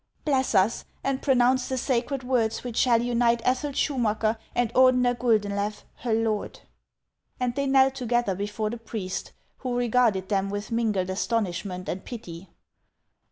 Bless us, and pronounce the sacred words which shall unite Ethel Schumacker and Ordener Guldenlew, her lord." And they knelt together before the priest, who regarded them with mingled astonishment and pity.